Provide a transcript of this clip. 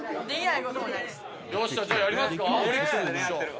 「よっしゃじゃあやりますか」